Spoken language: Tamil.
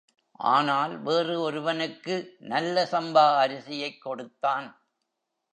ஆனால் வேறு ஒருவனுக்கு நல்ல சம்பா அரிசியைக் கொடுத்தான்.